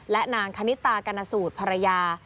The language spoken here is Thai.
และนางคณิตากรณสูตรภรรยา